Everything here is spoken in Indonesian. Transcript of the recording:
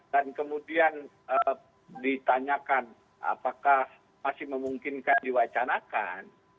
dan kemudian ditanyakan apakah masih memungkinkan diwacanakan